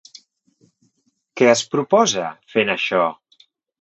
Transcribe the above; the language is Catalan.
Què es proposa, fent això?